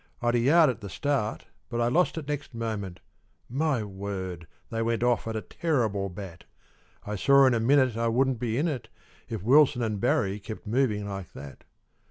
I'd a yard at the start, but I lost it next moment, My word, they went off at a terrible bat; I saw in a minute I wouldn't be in it If Wilson and Barry kept moving like that.